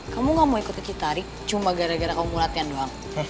kamu gak mau ikut ikuti tarik cuma gara gara kamu latihan doang